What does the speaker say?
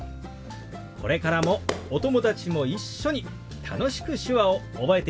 これからもお友達も一緒に楽しく手話を覚えていってくださいね。